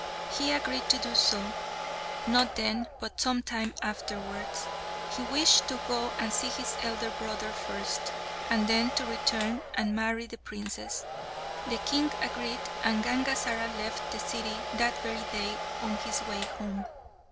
He agreed to do so, not then, but some time afterwards. He wished to go and see his elder brother first, and then to return and marry the princess. The king agreed; and Gangazara left the city that very day on his way home.